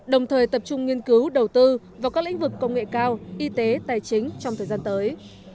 đồng thời tập trung nghiên cứu đầu tư vào các lĩnh vực công nghệ cao y tế tài chính trong thời gian tới